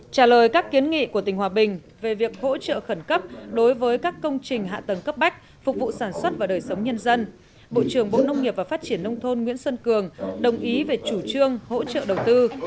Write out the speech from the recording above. trả lời các kiến nghị của tỉnh hòa bình về việc hỗ trợ khẩn cấp đối với các công trình hạ tầng cấp bách phục vụ sản xuất và đời sống nhân dân bộ trưởng bộ nông nghiệp và phát triển nông thôn nguyễn xuân cường đồng ý về chủ trương hỗ trợ đầu tư